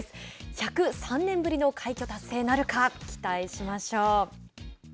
１０３年ぶりの快挙達成なるか期待しましょう。